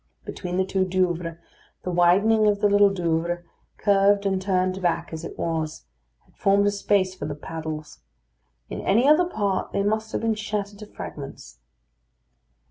Between the two Douvres, the widening of the Little Douvre, curved and turned back as it was, had formed a space for the paddles. In any other part they must have been shattered to fragments.